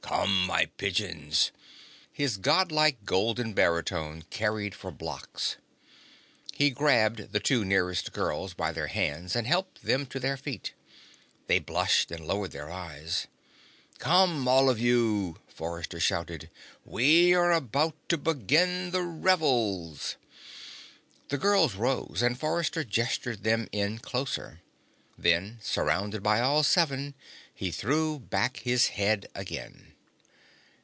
"Come, my pigeons!" His Godlike golden baritone carried for blocks. He grabbed the two nearest girls by their hands and helped them to their feet. They blushed and lowered their eyes. "Come, all of you!" Forrester shouted. "We are about to begin the revels!" The girls rose and Forrester gestured them in closer. Then, surrounded by all seven, he threw back his head again.